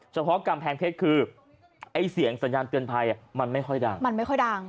เฉพาะกำแพงเพชรคือไอ้เสียงสัญญาณเตือนไพรมันไม่ค่อยดัง